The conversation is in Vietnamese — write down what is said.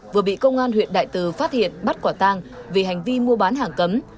vừa bị công an huyện đại từ phát hiện bắt quả tang vì hành vi mua bán hàng cấm